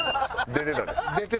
出てたで。